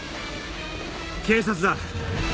警察だ。